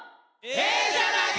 ええじゃないか！」